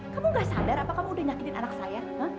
kamu gak sadar apa kamu udah nyakin anak saya